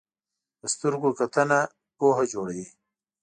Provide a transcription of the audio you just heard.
په سترګو کتنه پوهه جوړوي